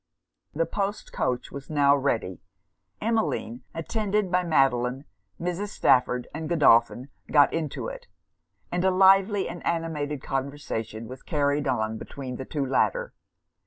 The post coach was now ready. Emmeline, attended by Madelon, Mrs. Stafford, and Godolphin, got into it, and a lively and animated conversation was carried on between the two latter.